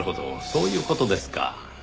そういう事ですか。